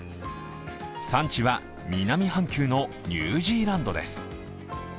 産地は南半球のニュージーランドです。